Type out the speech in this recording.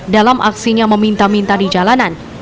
dalam aksinya meminta minta di jalanan